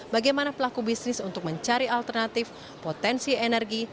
bagaimana pelaku bisnis untuk mencari alternatif potensi energi